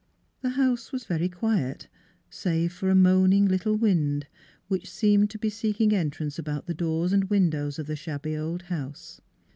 The house was very quiet, save for a moaning little wind, which seemed to be seeking entrance about the doors and windows of the shabby old house.